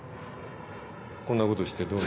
こんなことしてどうなる。